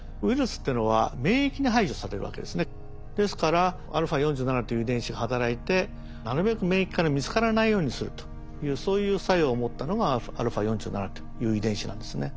ですからα４７という遺伝子が働いてなるべく免疫から見つからないようにするというそういう作用を持ったのがα４７という遺伝子なんですね。